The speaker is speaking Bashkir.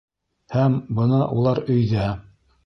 ... Һәм бына улар өйҙә.